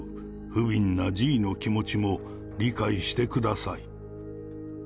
不憫な爺の気持ちも理解してください。